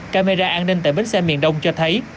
camera an ninh tại bến xe miền đông cho thấy